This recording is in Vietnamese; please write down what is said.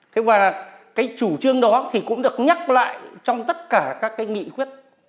thế và cái chủ trương đó thì cũng được nhắc lại trong tất cả các cái nghị quyết